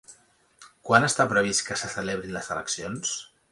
Quan està previst que se celebrin les eleccions?